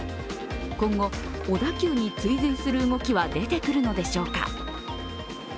今後、小田急に追随する動きは出てくるのでしょうか。